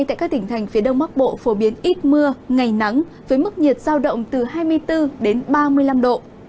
tại các tỉnh thành phía đông bắc bộ phổ biến ít mưa ngày nắng với mức nhiệt giao động từ hai mươi bốn đến ba mươi năm độ